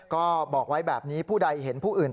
ก็บอกไว้แบบนี้ผู้ใดเห็นผู้อื่น